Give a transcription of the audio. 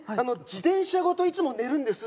自転車ごといつも寝るんです